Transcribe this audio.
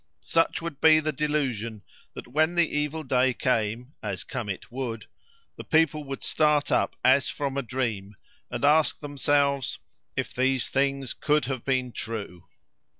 Such would be the delusion, that when the evil day came, as come it would, the people would start up, as from a dream, and ask themselves if these things could have been true.